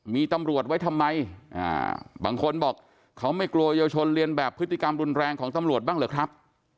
มีตำรวจไว้ทำไมบางคนบอกเขาไม่กลัวเยาวชนเรียนแบบพฤติกรรมรุนแรงของตำรวจบ้างเหรอครับ